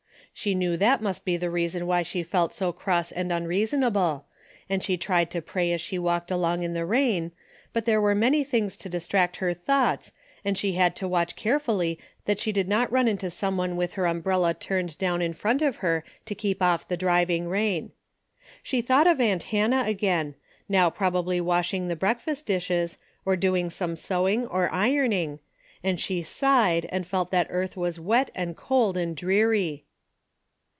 She knew that must be the reason why she felt so cross and unreasonable, and she tried to pray as she walked along in the rain, but there were many things to distract her thoughts, and she had to watch carefully that she did not run into some one with her umbrella turned down in front of her to keep off the driving rain. She thought of aunt Hannah again, now probably washing the breakfast dishes, or doing some sewing or ironing, and she sighed and felt that earth was wet and cold and dreary.